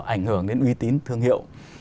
ảnh hưởng đến uy tín thương hiệu